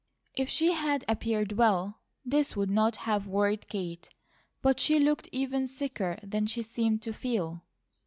If she had appeared well, this would not have worried Kate; but she looked even sicker than she seemed to feel.